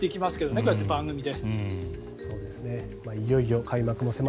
こうやって番組で。